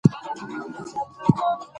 پېټټ د ناسا تر ټولو عمر لرونکی ستور مزلی شو.